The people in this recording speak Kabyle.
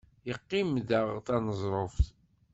Yeqqim daɣ taneẓruft.